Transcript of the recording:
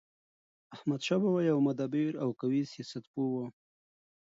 احمدشاه بابا يو مدبر او قوي سیاست پوه و.